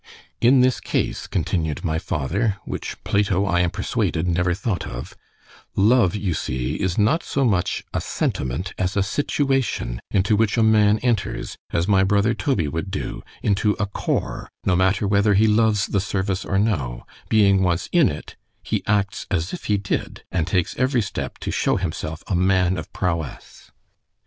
In this case, continued my father, which Plato, I am persuaded, never thought of——Love, you see, is not so much a SENTIMENT as a SITUATION, into which a man enters, as my brother Toby would do, into a corps——no matter whether he loves the service or no——being once in it—he acts as if he did; and takes every step to shew himself a man of prowesse.